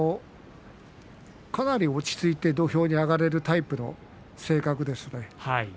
かなり落ち着いて土俵に上がれるタイプの性格ですね。